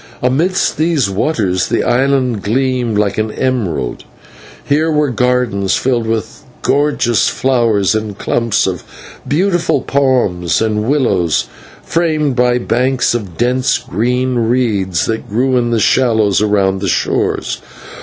Amidst these waters the island gleamed like an emerald. Here were gardens filled with gorgeous flowers and clumps of beautiful palms and willows, framed by banks of dense green reeds that grew in the shallows around the shores.